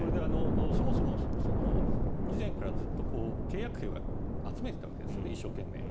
そもそも以前からずっと契約兵は集めていたわけですね一生懸命。